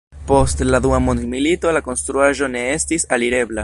Post la Dua mondmilito la konstruaĵo ne estis alirebla.